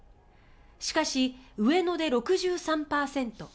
しかし、上野で６３％